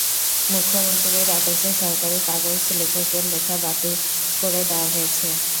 মুখ্যমন্ত্রীর আদেশে সরকারি কাগজ লেখকের লেখা বাতিল করে দেওয়া হয়েছে।